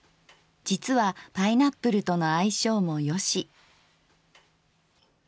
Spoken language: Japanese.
実はパイナップルとの相性も良し。